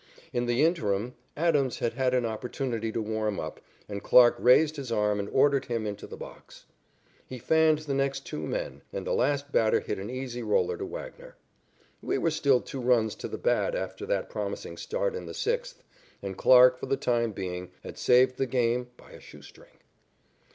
In the interim, Adams had had an opportunity to warm up, and Clarke raised his arm and ordered him into the box. He fanned the next two men, and the last batter hit an easy roller to Wagner. We were still two runs to the bad after that promising start in the sixth, and Clarke, for the time being, had saved the game by a shoe string.